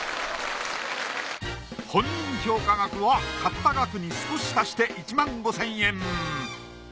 本人評価額は買った額に少し足して１万５，０００円。